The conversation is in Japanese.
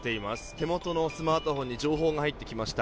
手元のスマートフォンに情報が入ってきました。